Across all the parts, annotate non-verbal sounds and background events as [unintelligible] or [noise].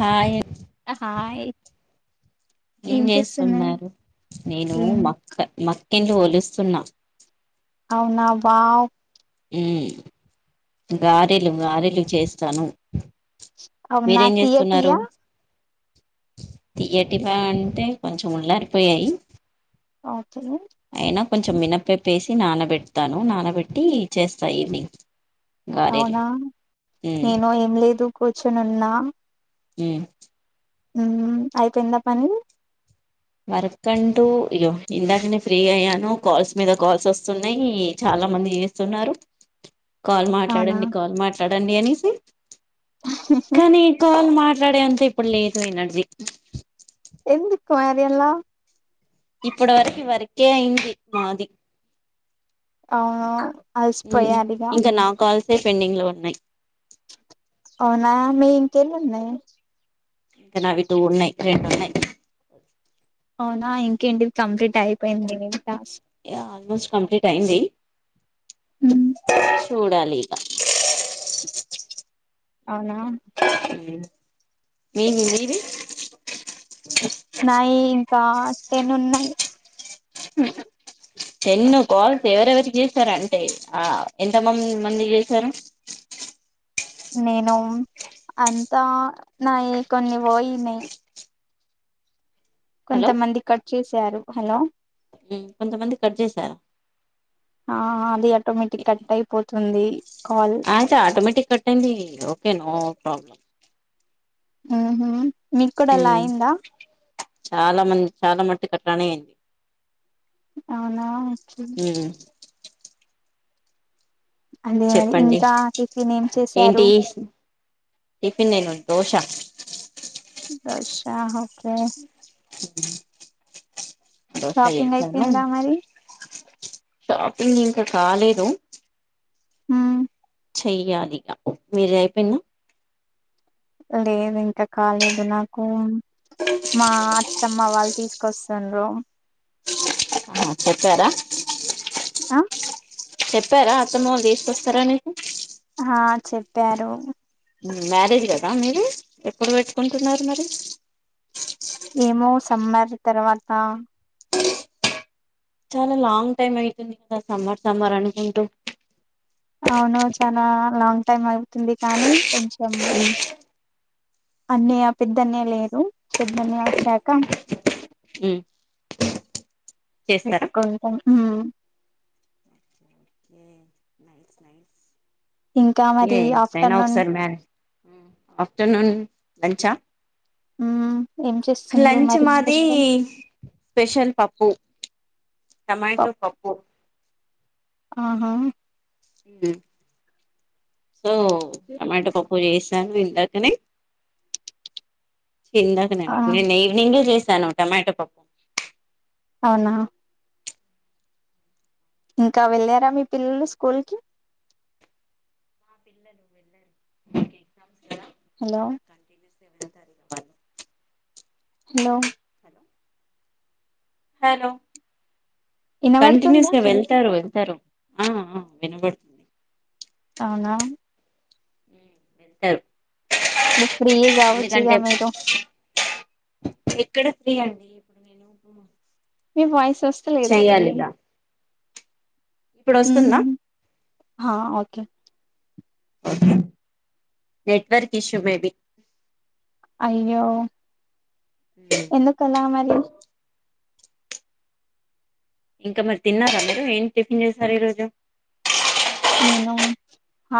Hi అ hi ఏం చేస్తున్నారు నేను ఏం మక్క మక్ కింది ఒలుస్తున్నా అవునా వావ్ హ్మ్ గారెలు గారెలు చేస్తాను అవునా తీయటీయా తీయటి వా అంటే కొంచెం ఉళ్ళారిపోయాయి ఓకే అయినా కొంచెం మినప్పెప్పేసి నానబెడతాను నానబెట్టి చేస్తా ఈవినింగ్ గారెలు అవునా ఉమ్, నేను ఏం లేదు కూర్చొని ఉన్నా హ్మ్ హ్మ్ అయిపోయిందా పని వర్క్ అంటూ అయ్యో ఇందాక నే ఫ్రీ అయ్యాను. కాల్స్ మీద కాల్స్ వస్తున్నాయ్. చాలా మంది చేస్తున్నారు. కాల్ అవునా మాట్లాడండి. కాల్ మాట్లా డడండి అనీసి కానీ కాల్ మ మాట్లాడే అంత ఇప్పుడు లేదు ఎనర్జీ కార్యాల్లా ఇప్పుడు వరకు వర్కే అయింది మాది అవును అలసిపోయారిగా ఇంక నా కాల్ ని పెండింగ్ లో ఉన్నాయి ఇంకెన్నున్నయ్ ఇంకా నావి టూ ఉన్నాయ్. రెండు ఉన్నాయ్. ఆ ఇంకేంటిది కంప్లీట్ అయిపోయింది ఈ టాస్క్ ఏ ఆల్మోస్ట్ కంప్లీట్ అయింది మ్మ్ చూడాలి టికా అవునా మీవి మీవి నాయి ఇంకా టెన్ ఉన్నాయి టేన్ కాల్స్ ఎవరెవరికి చేస్తరంటే ఆ ఎంత మంది మంది చేస్తరు నేను అంతా నాయి కొన్ని పోయినై కొంతమంది కట్ చేశారు హలో ఉ కొంతమంది కట్ చేశార ఆ అది ఆటోమెటిక్ కట్టయి పోతు ఉంది ఆయితే ఆటోమేటిక్ కటైంది ఓకే నో ప్రాబ్లం ఉహు మీకు కూడా హూ అలా అయిందా చాలా మంది చాలా మట్టు కట్ట్ అట్లనేయింది అవునా వచ్చు అదే మరి చెప్పండి ఇంకా టిఫిన్ ఏం చేశారు ఏంటీ టిఫిన్ నేను దోశ దోశా ఓకే హ షాపింగ్ అయిపోయిందా మరి షాపింగ్ ఇంకా కాలేదు హ చెయ్యాలిగా మీరిది అయిపెంద లేదు ఇంకా కాలేదు నాకు మా అత్తమ్మ వాళ్ళు తీసుకొస్తుండ్రు చెప్పారా ఆ చెప్పారా అత్తమవాలు తీసుకొస్తారని ఆ చెప్ ప్పారు మ్యారేజ్ కదా మీరు ఎప్పుడు పెట్టుకుంటున్నారు మరి ఏమో సమ్మర్ తర్వాత చాలా లాంగ్ టైమ్ అయితుంది కదా సమ్మర్ సమ్మర్ అనుకుంటూ అవును చనా లాంగ్ టైమ్ ఆవుతుంది కానీ కొంచెం అన్నయ్య పెద్దన్నయ లేరు పెద్దన్నయ వచ్చాక ఉమ్ చేస్తారా పెట్కుంటం ఉ ఓకే నైస్ నైస్ ఇంకా మరి ఏ టైన ఒక ఆఫ్టర్నూన్ సారి మ్యారేజ్ ఆఫ్టర్నూన్ లంచ హు లంచ మాదిి స్పెషల్ పప్పు టమాటో పప్ పప్పు ఆహా మ్ సో టమట పప్పు చెస్ టం తింటాకనే ఇందకనే ఆ అండి నిన్న ఈవినింగ్ ఏ చెస్ తను టొమాటో పప్పు అవునా ఇంకా వెళ్ళారా మీ పిల్లలు స్కూల్ కి పిలు హలో వెతార ర వాళ హలో హలో కంటిన్యూస్ వినబడుతుందా గా వెళ్తారు తరు ఆ ఆ వినబడు అవునా టారు ఇప్పుడు ఫ్రీ కావచ్చుగా మీరు ఎక్కడ ఫ్రీ అండి ఇప్పుడు నేను మీ వాయిస్ సోస్తలేదండి చెయ్యాలి ఇగ ఇప్పుడు మ్ వస్తుందా హుహు ఆ okay network issue maybe అయ్యో ఎందుకలా మరి ఇంకా మరి తిన్నారా మీరు ఏం టిఫిన్ చేసారు ఈరోజు నేను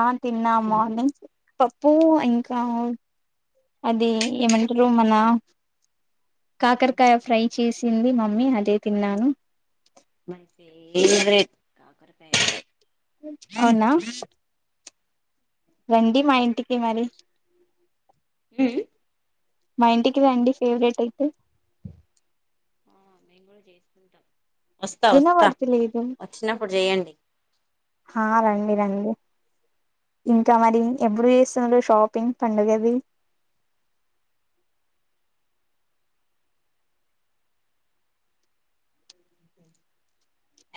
ఆ తిన్నా మార్నింగ్ పప్పు ఇంకా అది ఏమంటరు మన కాకరకాయ ఫ్రై చేసి సింది మమ్మీ అదే తిన్నాను మై ఫేవరెట్ కాకరకాయ అంటే అవునా రండి మా ఇంటికి మరి హు మా ఇంటికి రండి ఫేవరేట్ అయితె ఆ మేము కూడ చేసుకుంటాం వస్తా వస్తా వినబడతలేదు వచ్చినప్పుడు చేయండి ఆ రండి రండి ఇంకా మరి ఎప్పుడు చేస్తున్నారు షాపింగ్ పండుగది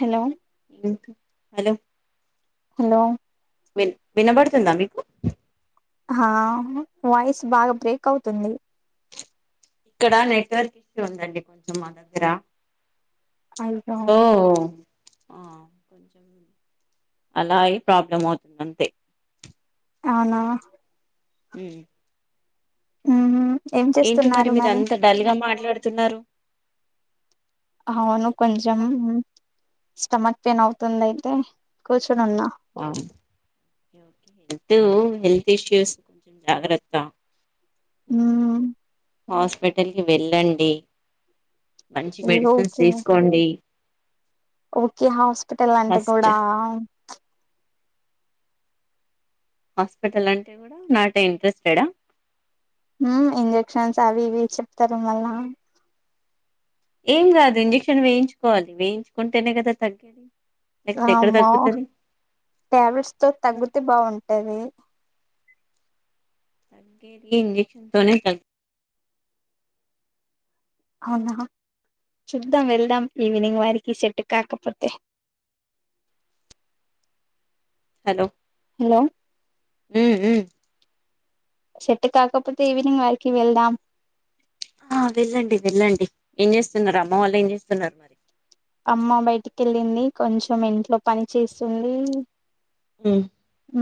హలో ఇంకా హలో హలో విన్ వినబడుతుందా మీకు ఆ వాయిస్ బాగా బ్రేక్ అవుతుంది ఇక్కడ నెట్వర్క్ ఇష్యూ ఉందండి కొంచెం మా దగ్గర అయ్యో ఓ ఆ కొంచం అలా అయి ప్రాబ్లం అవుతుంది అంతె అవునా ఉ ఊ ఏంటి మరి మీరు అంత డల్ గా మాట్లా తున్నారు అవును కొంచం స్టమక్ పెయిన్ అవుతుంది అయితే కుచ్ ఉమ్ అ హెల్త్ ఇష్యూస్ కొంచెం జాగ్రత్త మ్మ్ హాస్పి టల్కి వెళ్ళండి మంచి మెడిసిన్స్ తీసుకోండి ఒకే హాస్పిటల్ అంటే ఫస్ట్ కూడా హాస్పిటల్ అంటే కూడా నాట్ ఇంట్రెస్టెడా ఇంజక్షన్స్ అవి ఇవి చెప్తారు మళ్ళ ఏం కాదు ఇంజక్షన్ వేయించుకోవాలి వేయించుకుంటేనే కదా తగ్గెది అమో ట్యాబ్లెట్స్ తో తగ్గుతే బాగుంటాది తగ్గెది ఇంజెక్షన్ తొనే తగ్ అవునా చూద్దాం వెళ్దాం ఈవినింగ్ వారికి సెట్టు కాకపోతే హలో హలో ఉ ఉ సెట్ కాకపోతే ఈవినింగ్ వరకి వెళ్దాం ఆ వెళ్ళండి వెళ్ళండి ఏం చేస్తున్నారు అమ్మ వాళ్ళు ఏం చేస్తున్నారు మరి కెళ్ళింది కొంచెం ఇంట్లో పని చేస్తుంది ఉమ్ హ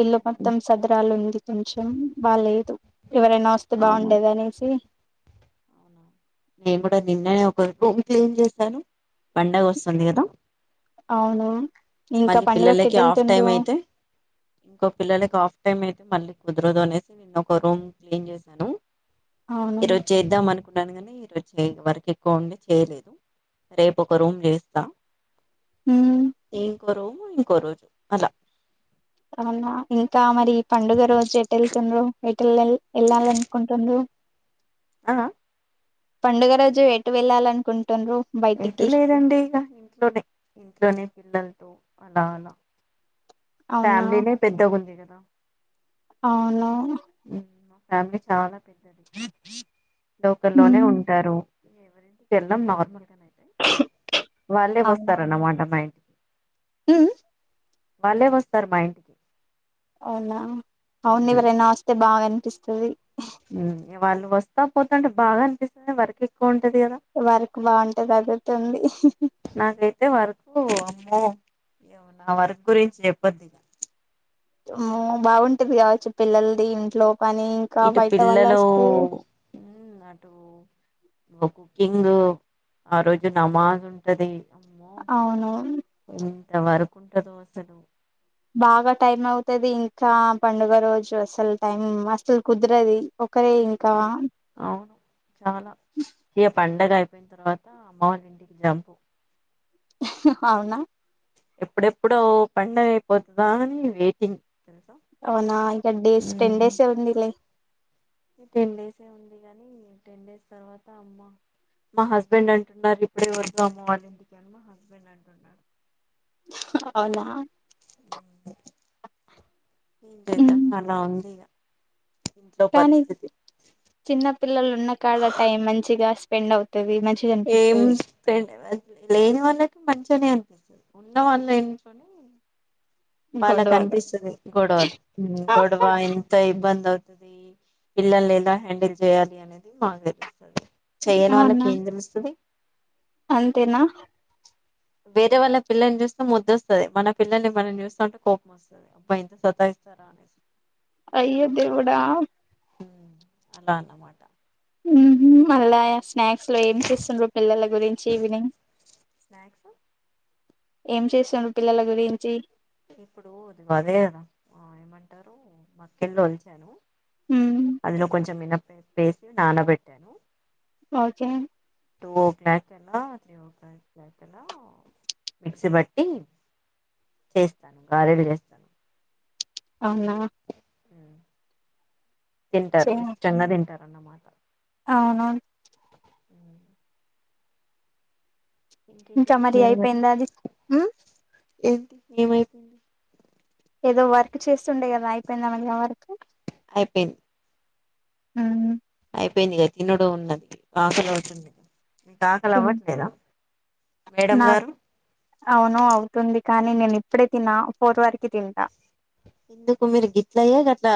ఇల్లు మొత్తం సదరాలు ఉంది కొంచెం బాలేదు ఎవరైనా వస్తే అవునా బాగుండేదనేసి అవునా నేను కూడా నిన్ననే ఒక రూమ్ క్లీన్ చేశాను పండగ వస్తుంది కదా అవును ఇంకా మళ్ళీ పండుగకి పిల్లలకి ఎటు ఆఫ్ టైమ్ వెళ్తుండ్రు అయితే ఇంకో పిల్లలకి ఆఫ్ టైం అయితే మళ్ళీ కుదరదు అనేసి నిన్న ఒక రూమ్ క్లీన్ చేశాను అవును ఈరోజు చేద్దాంమను కున్నాను కానీ [unintelligible] వర్క్ ఎక్కువ ఉండి చేయలేదు రేపు ఒక రూమ్ చేస్తా ఉమ్ ఏం ఒక రూము ఇంకో రోజు అలా అవునా ఇంకా మరి పండుగ రోజు ఎటెల్ళ్తుండ్రు టెల్లల్ ఎల్లాలనుకుంటుందు ఆ పండుగరోజు ఎటు వెళ్ళాలనుకుంటు ఎటు లేదండి ఇగ ఇంట్లోనే ఇంట్లోనే పిల్లల్తో అలా లా అలా అవునా ఫ్యామీలీనే పెద్ద గుందిగ దా అవును ఊ ఫ్యామిలీ చాలా పెద్దది లోకల్లోనే ఉమ్ ఉంటారు [unintelligible] నార్మల్ వాళ్ళే వస్తారన్నమాట మా ఇంటికి ఊ వాళ్ళే వస్తారు మా ఇంటికి అవునా అవున ఎవరన్న వస్తే బాగా అనిపిస్తు మ్మ్ వాళ్ళు వస్తా పోతాంటే బాగా అనిపిస్తుంది వర్క్ ఎక్కువంటే వర్క్ బాగుంటది అదైతే ఉంది ఏమో నా వర్క్ గురించి చెప్పొద్దిగ మ్మ్ బాగుంటది కావచ్చు పిల్లల్ది ఇంట్లో పనీ ఇంకా బయట వాళ్ళొస్తే మ్మ్ అటు కుకింగ్ ఆ రోజు నమాజ్ ఉంటది. అవునవును. ఇంత వర్క్ఉంటదో అసలు బాగా టైం అవుతది ఇంకా పండుగ రోజు అసలు టైం అస్సలు కుదరదు. కరే ఇంకా అవును ఏప్ పండగ అయిపోయిన తర్వాత అమ్మ వాళ్ళ ఇంటికి జంపు. హ్హ్ అవునా ఎప్పుడెప్పుడో పండగ అయిపోద్దా అని వెయిటింగ్. తెలుసా అవునా ఇంకా డేస్ టెన్ ఉమ్. డేస్ ఎ ఉందిలే. టెన్ డేసే ఉంది కానీ టెన్ డేస్ తర్వాత అమ్మ మా హస్బెండ్ అంటున్నారు ఇప్పుడే వరకు అమ్మ వాళ్ళ ఇంటికి అని మా హస్బెండ్ అంటున్నారు. అవునా ఇం చేద్దాం ఉమ్ అలా ఉంది ఇక కానీ చిన్నపిల్లలు ఉన్న కాడ టైం మంచిగా పిన్నవ్ ఏం లే లేని వాళకి మంచిగానే అని ఉండవన్నె వాళ్ళకి గొడవగా అనిపిస్తది గొడవలు గొడవ ఇంత ఇబ్బంది అవు అ పిల్లలు ఎలా హ్యాండిల్ చేయాలి అనేది మాకు తెలుసు చెయని వాళ్ళకి అవునా ఏం తెలుస్తది. అంతేనా వేరే వాళ్ళ పిల్లల్ని చూస్తే ముద్దొస్తది. మన పిల్లల్ని మనం చూస్తా ఉంటే కోపం వస్తది. అబ్బాయి ఎంత సతాయిస్తారా అనే అయ్యో దేవుడా ఊ అలానమాట ఉహు మల్లయస్ స్నాక్స్ లో ఏం చేస్తుండ్రు పిల్లల గురించి ఈవినింగ్ స్నాక్స్ ఏం చేస్తారు పిల్లల గురించి ఇప్పుడు అది అదే కదా ఉ ఏమంటారు మాక్కెళ్ళ వలిచాను. ఉమ్ అదులో కొంచెం మినప్పిండి లో వేసి నానబెట్టాను. వచ్చే టూ ఓ క్లాక్ అలా త్రీ ఓ క్లాక్ మధ్యలో మిక్సీ బట్టి చేస్తాను గారేలు చేస్తాను. అవునా హ్మ్. చే తింటారు ఇష్టంగా తింటారు. అన్నమాట అవునవున్ ఉ ఇంకేంటి ఇంకా మరి విషయాలు అయిపోయిందా అది ఉ ఏంటి ఏమైపోయింది ఏదో వర్క్ చేస్తుండే కదా అయిపోయిందా మళ్ళి ఆ వర్క్ అయిపోయింది హ అయిపోయింది కద తినుడు ఉన్నది ఆకలి అవుతుంది మీకు ఆకలి తిన్ అవ్వట్లేదా మేడం నాక్ గారు అవును అవుతుంది కానీ నేను ఇప్పుడే తిన ఫోర్ వరకి తింటా ఎందుకు మీరు గిట్లయ్యా అట్లా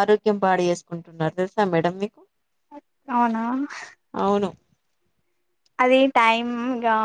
ఆరోగ్యం పాడు చేసుకుంటున్నారు తెలుసా మేడం మీకు అవునా అవును టే టైమ్